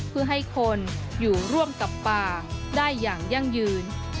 เพื่อให้คนอยู่ร่วมกับป่าได้อย่างยั่งยืน